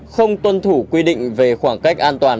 không tuân thủ quy định về khoảng cách an toàn